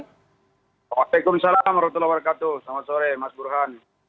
waalaikumsalam warahmatullahi wabarakatuh selamat sore mas burhan